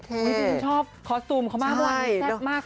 จริงชอบคอสตูมเขามากเลยแท็กมาก